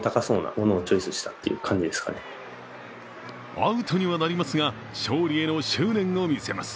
アウトにはなりますが、勝利への執念を見せます。